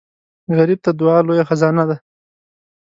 غریب ته دعا لوی خزانه ده